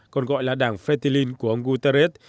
còn gọi là đảng fertilin của ông guterres